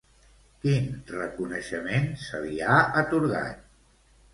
Quin reconeixement se li ha atorgat?